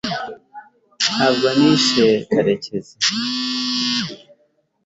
ntabwo nishe karekezi